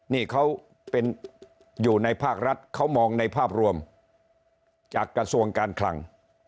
นี่เขาเป็นอยู่ในภาครัฐเขามองในภาพรวมจากกระทรวงการคลัง